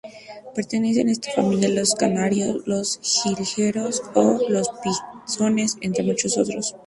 Pertenecen a esta familia los canarios, los jilgueros o los pinzones, entre muchos otros.